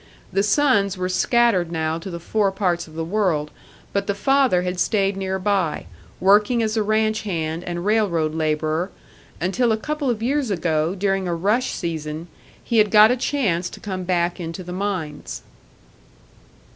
The sons were scattered now to the four parts of the world, but the father had stayed nearby, working as a ranch hand and railroad labourer, until a couple of years ago, during a rush season, he had got a chance to come back into the mines.